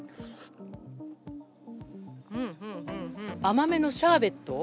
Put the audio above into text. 甘めのシャーベット。